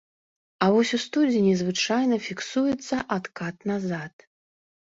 А вось у студзені звычайна фіксуецца адкат назад.